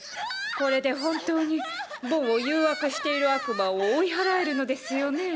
これで本当にボンを誘惑している悪魔を追い祓えるのですよね？